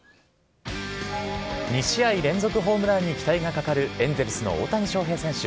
２試合連続ホームランに期待がかかるエンゼルスの大谷翔平選手。